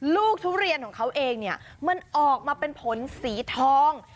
ทุเรียนของเขาเองเนี่ยมันออกมาเป็นผลสีทอง